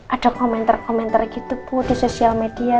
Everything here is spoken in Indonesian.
ada komentar komentar gitu bu di sosial media